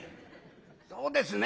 「そうですね」。